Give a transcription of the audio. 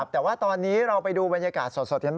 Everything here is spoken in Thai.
แต่ว่าตอนนี้เราไปดูบรรยากาศสดอย่างนั้นบ้างดีกว่า